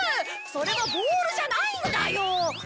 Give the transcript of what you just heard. それはボールじゃないんだよ！